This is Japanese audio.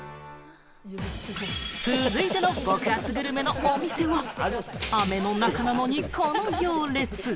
続いての極厚グルメのお店は雨の中なのに、この行列。